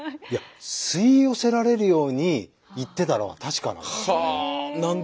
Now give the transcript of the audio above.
いや吸い寄せられるように行ってたのは確かなんですよね。